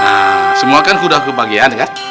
nah semua kan sudah kebagian ya